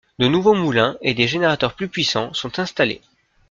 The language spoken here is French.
De nouveaux moulins et des générateurs plus puissants sont installés.